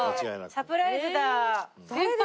サプライズだ！